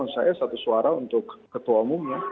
maksud saya satu suara untuk ketua umumnya